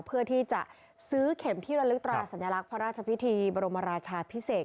เพื่อที่จะซื้อเข็มที่ระลึกตราสัญลักษณ์พระราชพิธีบรมราชาพิเศษ